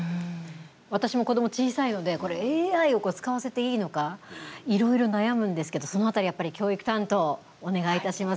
私も子ども小さいのでＡＩを使わせていいのかいろいろ悩むんですけどその辺り、やっぱり教育担当お願いいたします。